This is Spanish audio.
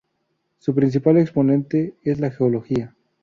Su principal exponente es la geología.